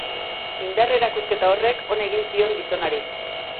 Indar-erakusketa horrek on egin zion gizonari.